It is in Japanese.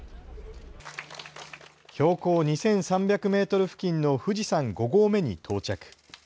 標高２３００メートル付近の富士山５合目に到着。